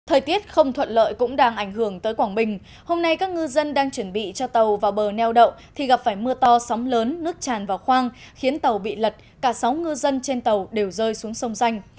thời tiết không thuận lợi cũng đang ảnh hưởng tới quảng bình hôm nay các ngư dân đang chuẩn bị cho tàu vào bờ neo đậu thì gặp phải mưa to sóng lớn nước tràn vào khoang khiến tàu bị lật cả sáu ngư dân trên tàu đều rơi xuống sông danh